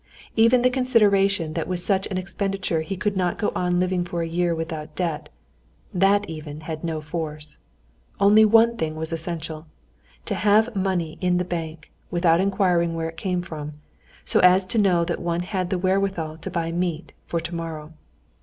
Even the consideration that with such an expenditure he could not go on living for a year without debt, that even had no force. Only one thing was essential: to have money in the bank, without inquiring where it came from, so as to know that one had the wherewithal to buy meat for tomorrow.